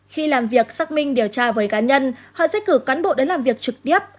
khi làm việc xác minh điều tra với cá nhân họ sẽ cử cán bộ đến làm việc trực tiếp